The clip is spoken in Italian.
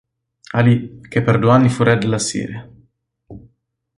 ʿAlī, che per due anni fu re della Siria.